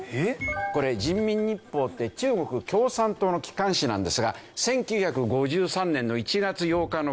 これ『人民日報』って中国共産党の機関紙なんですが１９５３年の１月８日の記事です。